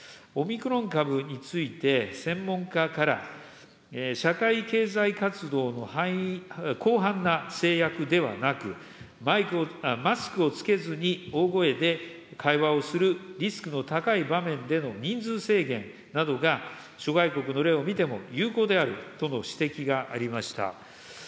オミクロン株について、専門家から社会経済活動の広範な制約ではなく、マスクを着けずに大声で会話をするリスクの高い場面での人数制限などが、諸外国の例を見ても有効であるとの指摘がありました。